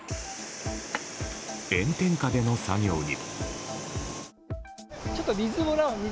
炎天下での作業に。